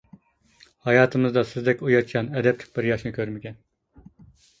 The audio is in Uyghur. ھاياتىمىزدا سىزدەك ئۇياتچان، ئەدەپلىك بىر ياشنى كۆرمىگەن.